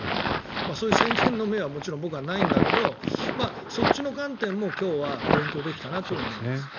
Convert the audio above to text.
そういう先見の目は僕はもちろんないんだけどそっちの観点も今日は勉強できたなと思います。